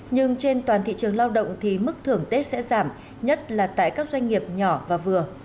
nhưng trên toàn thị trường lao động thì mức thưởng tết sẽ giảm nhất là tại các doanh nghiệp nhỏ và vừa